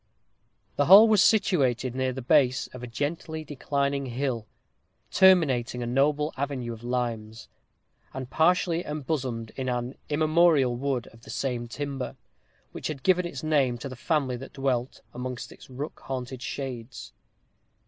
The hall was situated near the base of a gently declining hill, terminating a noble avenue of limes, and partially embosomed in an immemorial wood of the same timber, which had given its name to the family that dwelt amongst its rook haunted shades.